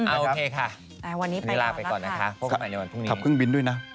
โอเคค่ะวันนี้เวลาไปก่อนนะคะพบกันใหม่ในวันพรุ่งนี้ขับเครื่องบินด้วยนะ